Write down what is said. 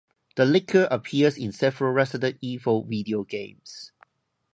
The Licker appears in several "Resident Evil" video games.